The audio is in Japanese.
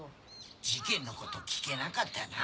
事件のこと聞けなかったな。